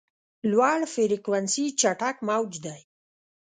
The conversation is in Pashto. لوړ فریکونسي چټک موج دی.